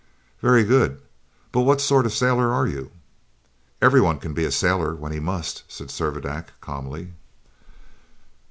"Very good. But what sort of a sailor are you?" "Everyone can be a sailor when he must," said Servadac calmly.